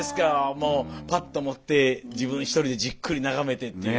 もうパッと持って自分一人でじっくり眺めてっていう。